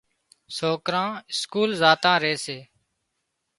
سوڪران اسڪول زاتان ري سي۔